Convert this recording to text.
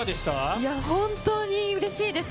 いやー、本当にうれしいです。